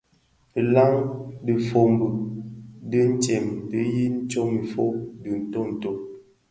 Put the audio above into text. Dhilaň dhifombi dintsem di yin tsom ifog dhi ntonto.